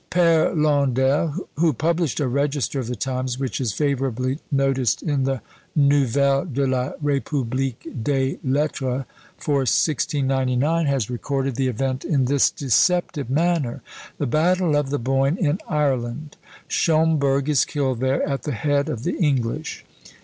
PÃẀre Londel, who published a register of the times, which is favourably noticed in the "Nouvelles de la République des Lettres," for 1699, has recorded the event in this deceptive manner: "The Battle of the Boyne in Ireland; Schomberg is killed there at the head of the English."